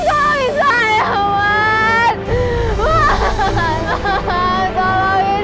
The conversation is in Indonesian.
tapi kenapa mama lama banget